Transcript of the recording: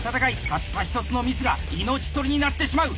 たった一つのミスが命取りになってしまう。